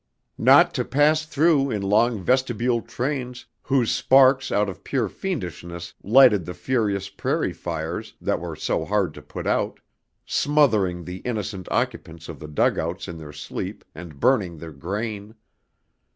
Not to pass through in long vestibule trains whose sparks out of pure fiendishness lighted the furious prairie fires that were so hard to put out, smothering the innocent occupants of the dugouts in their sleep and burning their grain.